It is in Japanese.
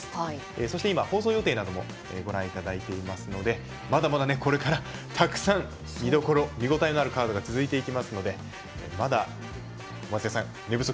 そして、放送予定などもご覧いただいていますのでまだまだこれからたくさん見どころ見応えのあるカードが続いていくのでまだ松也さん